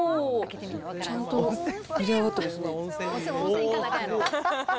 ちゃんとゆで上がってますね。